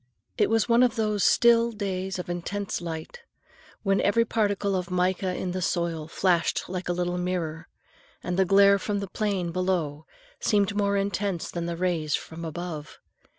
It was one of those still days of intense light, when every particle of mica in the soil flashed like a little mirror, and the glare from the plain below seemed more intense than the rays from above.